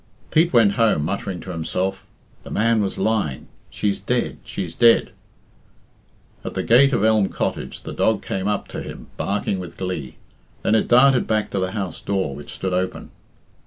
Pete went home, muttering to himself, "The man was lying she's dead, she's dead!" At the gate of Elm Cottage the dog came up to him, barking with glee. Then it darted back to the house door, which stood open.